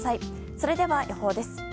それでは予報です。